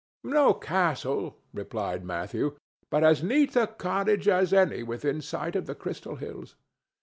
"No castle," replied Matthew, "but as neat a cottage as any within sight of the Crystal Hills.